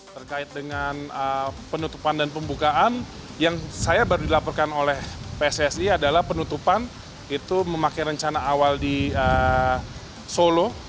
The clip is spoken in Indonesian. terkait dengan penutupan dan pembukaan yang saya baru dilaporkan oleh pssi adalah penutupan itu memakai rencana awal di solo